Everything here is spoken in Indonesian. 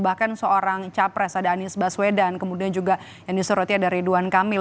bahkan seorang capres ada anies baswedan kemudian juga yang disorotnya ada ridwan kamil